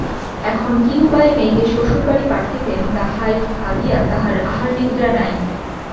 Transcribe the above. এখন কী উপায়ে মেয়েকে শ্বশুরবাড়ি পাঠাইবেন, তাহাই ভাবিয়া তাঁহার আহারনিদ্রা নাই।